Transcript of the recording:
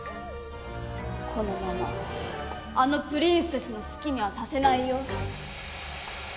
このままあのプリンセスの好きにはさせないよ。